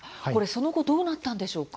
その後どうなったんでしょうか。